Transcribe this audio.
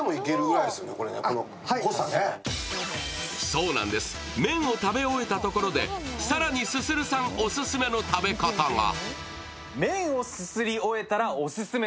そうなんです、麺を食べ終えたところで、更にＳＵＳＵＲＵさんオススメの食べ方が。